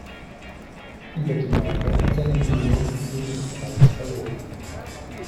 Über die Jahre hat seine Ehe jeglichen Reiz verloren.